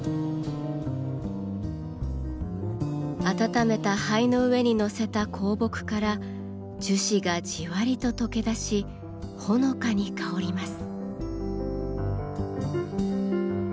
温めた灰の上に載せた香木から樹脂がじわりと溶け出しほのかに香ります。